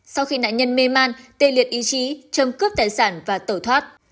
sau khi nạn nhân mê man tê liệt ý chí châm cướp tài sản và tẩu thoát